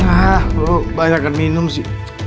ah lo banyak kan minum sih